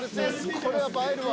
これは映えるわ。